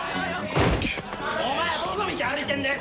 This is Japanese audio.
お前どこ見て歩いてんだよ